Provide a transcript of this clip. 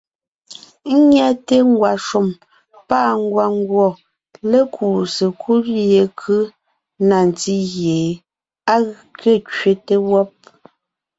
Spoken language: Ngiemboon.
Ńnyɛte ngwàshùm pâ ngwàngùɔ lékuu sekúd yekʉ́ na ntí gie á ge kẅete wɔ́b.